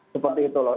seperti itu loh